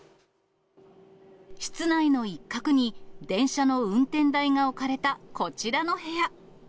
室内の一角に、電車の運転台が置かれたこちらの部屋。